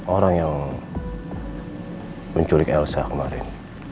orang yang menculik elsa kemarin